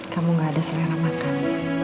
kamu gak ada selera makan